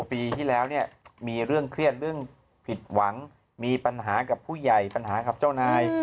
ปีที่แล้วเนี่ยมีเรื่องเครียดเรื่องผิดหวังมีปัญหากับผู้ใหญ่ปัญหากับเจ้านาย